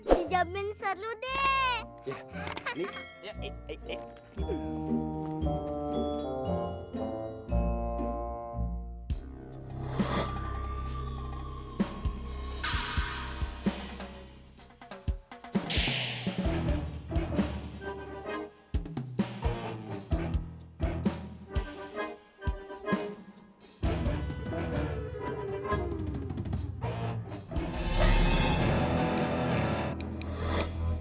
dijamin selu deh